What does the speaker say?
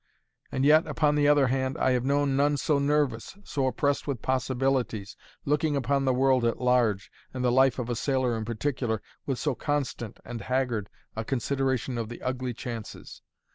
And yet, upon the other hand, I have known none so nervous, so oppressed with possibilities, looking upon the world at large, and the life of a sailor in particular, with so constant and haggard a consideration of the ugly chances.